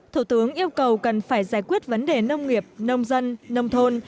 thủ tướng yêu cầu cần phải giải quyết vấn đề nông nghiệp nông dân nông thôn